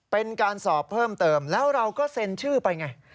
เป็นการสอบเพิ่มเติมแล้วเราก็เซ็นชื่อไปไง